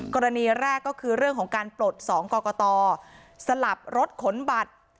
กรณีแรกก็คือเรื่องของการปลด๒กรกตสลับรถขนบัตร